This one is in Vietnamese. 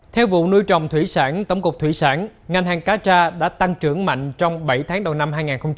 theo vụ nuôi trồng thủy sản tổng cục thủy sản ngành hàng cacha đã tăng trưởng mạnh trong bảy tháng đầu năm hai nghìn hai mươi hai